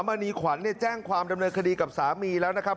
มณีขวัญแจ้งความดำเนินคดีกับสามีแล้วนะครับ